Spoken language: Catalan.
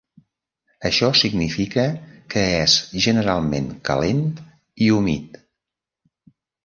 Això significa que és generalment calent i humit.